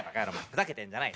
ふざけてんじゃない。